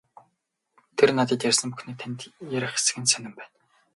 Тэр надад ярьсан бүхнээ танд ярих эсэх нь сонин байна.